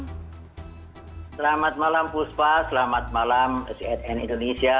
selamat malam puspa selamat malam cnn indonesia